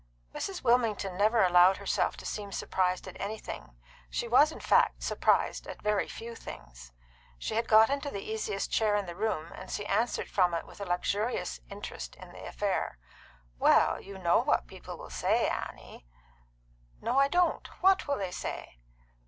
Mrs. Wilmington never allowed herself to seem surprised at anything; she was, in fact, surprised at very few things. She had got into the easiest chair in the room, and she answered from it, with a luxurious interest in the affair, "Well, you know what people will say, Annie." "No, I don't. What will they say?"